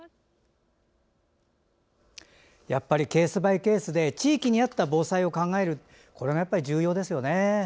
やっぱりケースバイケースで地域に合った防災を考えるこれが重要ですよね。